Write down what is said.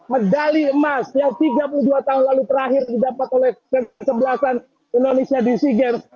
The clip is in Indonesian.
medali emas yang tiga puluh dua tahun lalu terakhir didapat oleh kesebelasan indonesia di sea games